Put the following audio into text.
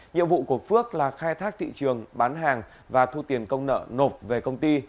nhiệm vụ của phước là khai thác thị trường bán hàng và thu tiền công nợ nộp về công ty